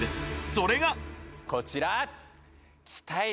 それがこちら！